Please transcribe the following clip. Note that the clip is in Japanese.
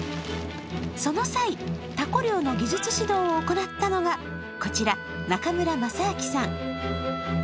その際、たこ漁の技術指導を行ったのがこちら、中村正明さん。